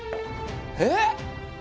えっ！